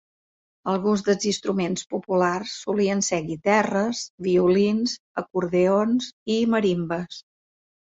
Alguns dels instruments populars solien ser guitarres, violins, acordions i marimbes.